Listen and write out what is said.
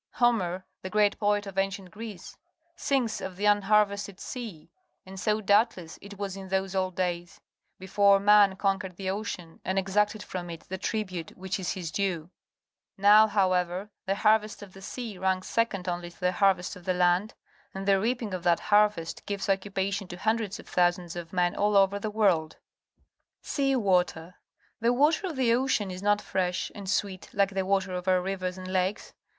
Homer, the great poet of ancient Greece, sings of the "unharvested sea," and so, doubtless, it was in those old days, before man conquered the ocean and exacted from it the tribute wliich is his due. Now, how ever, the harvest of the sea ranks second only to the harvest of the land, and the 46 PUBLIC SCHOOL GEOGRAPHY reaping of that harvest gives occupation to hundreds of thousands of men all over the world. Sea water. — The wat e r of the ocean is not fresh and sweet like the water of bur rivers and lakes.